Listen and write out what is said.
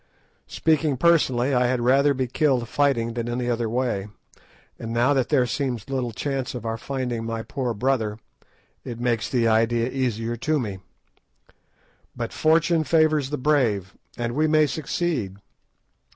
Speaking personally, I had rather be killed fighting than any other way, and now that there seems little chance of our finding my poor brother, it makes the idea easier to me. But fortune favours the brave, and we may succeed.